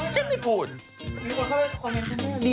ฉันไม่พูด